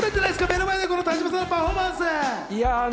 目の前で田島さんのパフォーマンス。